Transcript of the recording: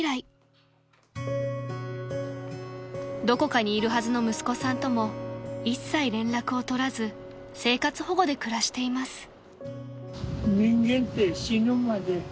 ［どこかにいるはずの息子さんとも一切連絡を取らず生活保護で暮らしています］